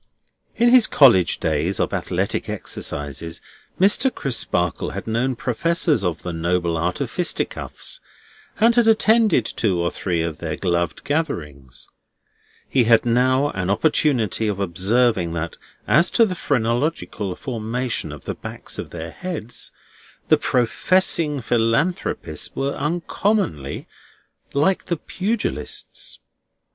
In his college days of athletic exercises, Mr. Crisparkle had known professors of the Noble Art of fisticuffs, and had attended two or three of their gloved gatherings. He had now an opportunity of observing that as to the phrenological formation of the backs of their heads, the Professing Philanthropists were uncommonly like the Pugilists.